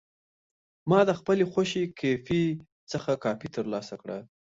ما د خپلې خوښې کیفې څخه کافي ترلاسه کړه.